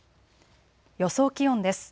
予想気温です。